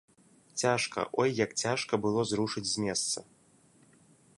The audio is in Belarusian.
Цяжка, ой як цяжка было зрушыць з месца!